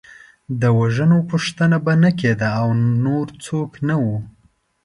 د وژنو پوښتنه به نه کېده او نور څوک نه وو.